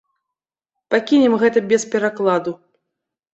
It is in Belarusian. Пакінем гэта без перакладу.